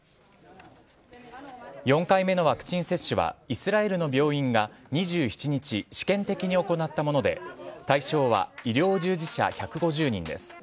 ４回目のワクチン接種は、イスラエルの病院が２７日、試験的に行ったもので、対象は医療従事者１５０人です。